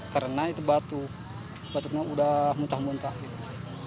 karena itu batu batunya udah muntah muntah gitu